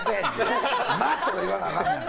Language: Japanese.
今！とか言わなあかんねん。